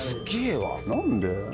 何で？